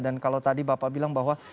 dan kalau tadi bapak bilang bahwa